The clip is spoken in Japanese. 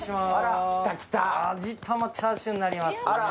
味玉チャーシューになります。